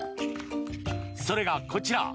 それがこちら。